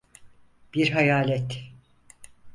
Bir hayalet.